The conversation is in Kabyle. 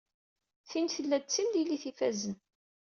Tin tella-d d timlilit ifazen.